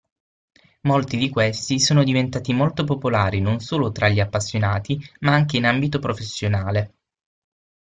Molti di questi sono diventati molto popolari non solo tra gli appassionati, ma anche in ambito professionale.